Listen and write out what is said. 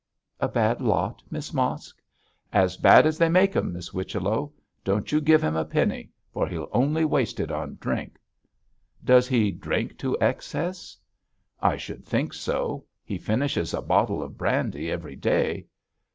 'A bad lot, Miss Mosk?' 'As bad as they make 'em, Miss Whichello. Don't you give him a penny, for he'll only waste it on drink.' 'Does he drink to excess?' 'I should think so; he finishes a bottle of brandy every day.'